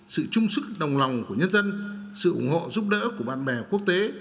sự trung sức đồng lòng của nhân dân sự ủng hộ giúp đỡ của bạn bè quốc tế